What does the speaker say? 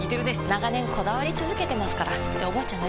長年こだわり続けてますからっておばあちゃん